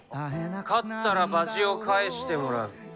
勝ったら場地を返してもらう。